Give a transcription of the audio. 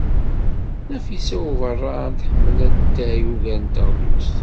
Nafisa n Ubeṛṛan tḥemmel atay ugar n teɣlust.